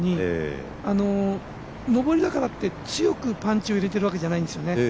上りだからといって強くパンチを入れてるわけじゃないんですね。